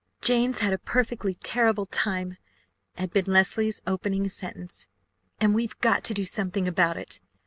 "Jane's had a perfectly terrible time!" had been Leslie's opening sentence, "and we've got to do something about it!